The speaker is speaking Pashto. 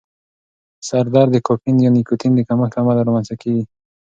سر درد د کافین یا نیکوتین د کمښت له امله رامنځته کېږي.